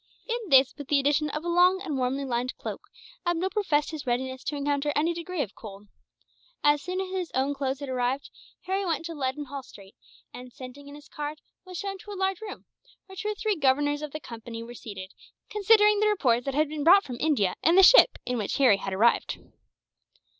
In this, with the addition of a long and warmly lined cloak, Abdool professed his readiness to encounter any degree of cold. As soon as his own clothes had arrived, Harry went to Leadenhall Street and, sending in his card, was shown into a large room, where two or three of the governors of the Company were seated, considering the reports that had been brought from India in the ship in which Harry had arrived.